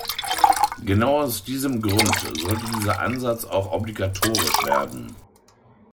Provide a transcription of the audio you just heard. Genau aus diesem Grund sollte dieser Ansatz auch obligatorisch werden.